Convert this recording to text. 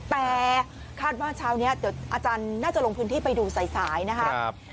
แต่คาดว่าเช้านี้เดี๋ยวอาจารย์น่าจะลงพื้นที่ไปดูสายนะครับ